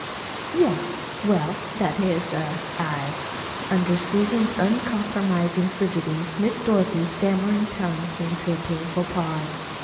"Yes. Well, that is er I " Under Susan's uncompromising frigidity Miss Dorothy's stammering tongue came to a painful pause.